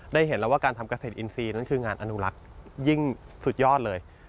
เห็นแล้วว่าการทำเกษตรอินทรีย์นั้นคืองานอนุรักษ์ยิ่งสุดยอดเลย